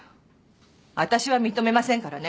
わたしは認めませんからね。